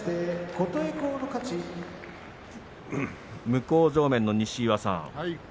向正面の西岩さん